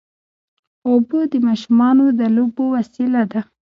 اوبه د ماشومانو د لوبو وسیله ده.